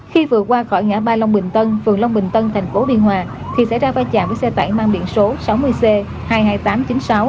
khi vừa qua khỏi ngã ba long bình tân phường long bình tân thành phố biên hòa thì xảy ra vai chạm với xe tải mang biển số sáu mươi c hai mươi hai nghìn tám trăm chín mươi sáu